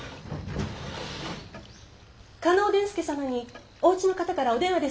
嘉納伝助様におうちの方からお電話ですが。